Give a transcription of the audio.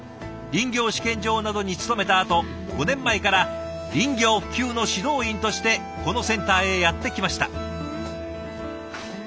林業試験場などに勤めたあと５年前から林業普及の指導員としてこのセンターへやって来ました。